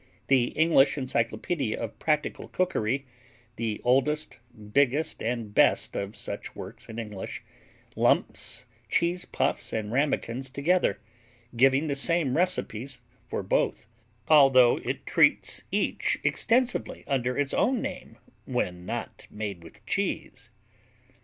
The English Encyclopedia of Practical Cookery, the oldest, biggest and best of such works in English, lumps Cheese Puffs and Ramekins together, giving the same recipes for both, although it treats each extensively under its own name when not made with cheese.